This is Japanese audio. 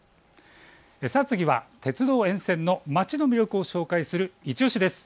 次は鉄道沿線の街の魅力を紹介するイチおしです。